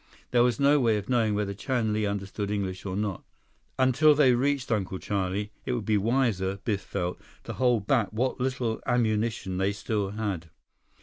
There was no way of knowing whether Chan Li understood English or not. Until they reached Uncle Charlie, it would be wiser, Biff felt, to hold back what little ammunition they still had.